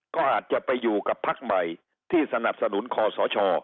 ก็อาจจะไปอยู่กับพักใหม่ที่สนับสนุนคอสช